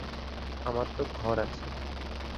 আমার তো ঘর আছে।